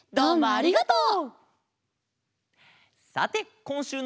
ありがとう！